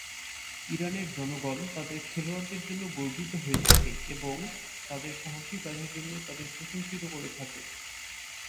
ইরানের জনগণ তাদের খেলোয়াড়দের জন্য গর্বিত হয়ে থাকে এবং তাদের সাহসী কাজের জন্য তাদের প্রশংসিত করে থাকে।